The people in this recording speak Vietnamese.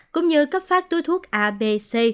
cũng như cấp phát túi thuốc abc